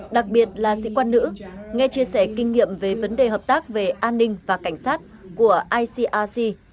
đặc biệt là sĩ quan nữ nghe chia sẻ kinh nghiệm về vấn đề hợp tác về an ninh và cảnh sát của icac